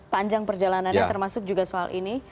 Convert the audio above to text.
panjang perjalanannya termasuk juga soal ini